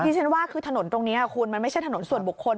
ฉันว่าคือถนนตรงนี้คุณมันไม่ใช่ถนนส่วนบุคคล